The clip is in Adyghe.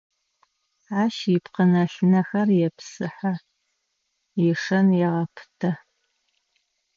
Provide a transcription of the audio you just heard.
Ащ ипкъынэ-лынэхэр епсыхьэ, ишэн егъэпытэ.